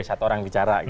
satu orang bicara